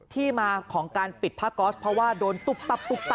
ที่มาของการปิดผ้าก๊อสเพราะว่าโดนตุ๊บตับตุ๊บตับ